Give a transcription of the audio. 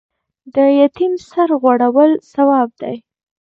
د یتیم سر غوړول ثواب دی